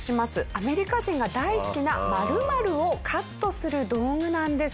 アメリカ人が大好きな○○をカットする道具なんですが。